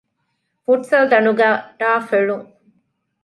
ފުޓްސަލްދަނޑުގައި ޓަރފް އެޅުން